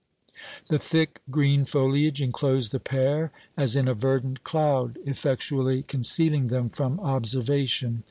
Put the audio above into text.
The thick, green foliage enclosed the pair as in a verdant cloud, effectually concealing them from observation.